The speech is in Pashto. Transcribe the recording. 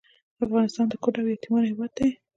افغانستان د کونډو او یتیمانو هیواد دی